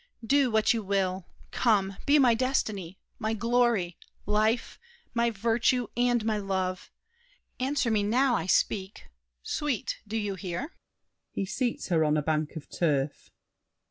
Do what you will! Come, be my destiny, My glory, life, my virtue, and my love! Answer me now. I speak! Sweet, do you hear? [He seats her on a bank of turf.